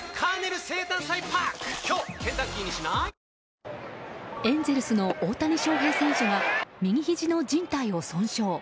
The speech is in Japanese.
わかるぞエンゼルスの大谷翔平選手が右ひじのじん帯を損傷。